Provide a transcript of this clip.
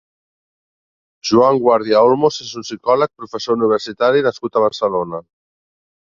Joan Guàrdia Olmos és un psicòleg, professor universitari nascut a Barcelona.